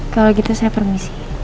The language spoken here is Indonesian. kalau gitu saya permisi